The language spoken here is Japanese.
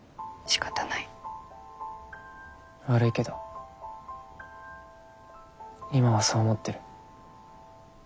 悪いけど今はそう思ってる。